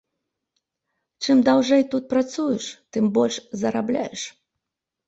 Чым даўжэй тут працуеш, тым больш зарабляеш.